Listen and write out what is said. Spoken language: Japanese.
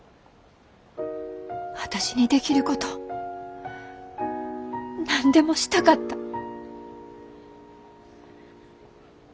私にできること何でもしたかった。